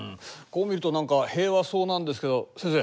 こう見ると何か平和そうなんですけど先生